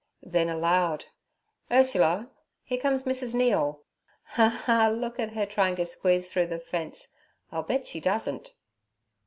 Then aloud: 'Ursula, here comes Mrs. Neal. Ha! ha! Look at her trying to squeeze through the fence. I'll bet she doesn't.'